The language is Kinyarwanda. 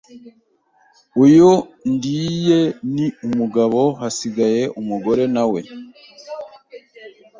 Uyu ndiye ni umugabo hasigaye umugore nawe